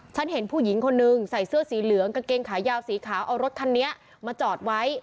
เห็นผู้หญิงคนนึงใส่เสื้อสีเหลืองกางเกงขายาวสีขาวเอารถคันนี้มาจอดไว้